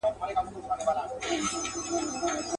یوه ورځ راته دا فکر پیدا نه سو.